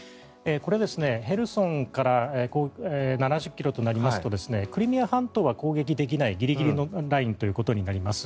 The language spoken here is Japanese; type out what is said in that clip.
これ、ヘルソンから７０ｋｍとなりますとクリミア半島は攻撃できないギリギリのラインとなります。